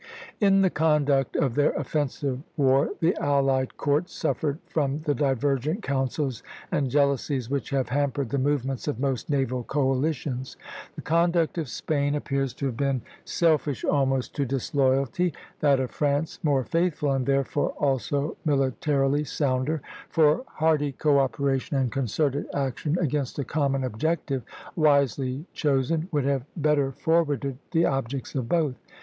In the conduct of their offensive war the allied courts suffered from the divergent counsels and jealousies which have hampered the movements of most naval coalitions. The conduct of Spain appears to have been selfish almost to disloyalty, that of France more faithful, and therefore also militarily sounder; for hearty co operation and concerted action against a common objective, wisely chosen, would have better forwarded the objects of both.